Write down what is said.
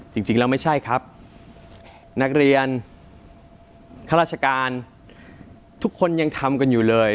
จริงแล้วไม่ใช่ครับนักเรียนข้าราชการทุกคนยังทำกันอยู่เลย